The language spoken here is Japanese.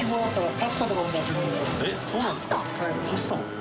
パスタも？